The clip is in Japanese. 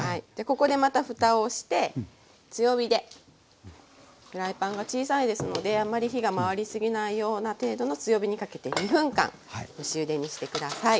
ここでまたふたをして強火でフライパンが小さいですのであんまり火が回り過ぎないような程度の強火にかけて２分間蒸しゆでにして下さい。